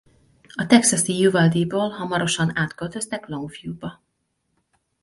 A texasi Uvalde-ból hamarosan átköltöztek Longview-ba.